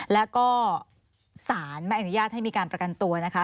แล้วก็สารไม่อนุญาตให้มีการประกันตัวนะคะ